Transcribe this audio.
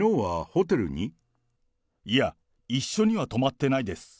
いや、一緒には泊まってないです。